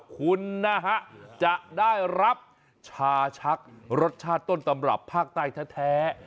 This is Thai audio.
คุณนะฮะจะได้รับชาชักรสชาติต้นตำรับภาคใต้แท้